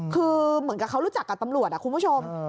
คือเหมือนกับเขารู้จักกับตำรวจคุณผู้ชม